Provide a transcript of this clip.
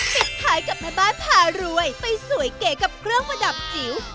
ปิดท้ายกับแม่บ้านพารวยไปสวยเก๋กับเครื่องประดับจิ๋ว